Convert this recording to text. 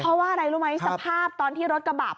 เพราะว่าอะไรรู้ไหมสภาพตอนที่รถกระบะ